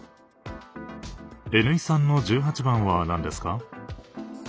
Ｎ井さんの十八番は何ですか？